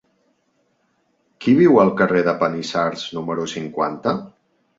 Qui viu al carrer de Panissars número cinquanta?